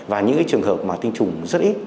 và những trường hợp mà tinh trùng rất ít